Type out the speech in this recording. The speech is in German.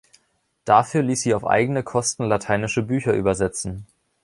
Dafür ließ sie auf eigene Kosten lateinische Bücher übersetzen.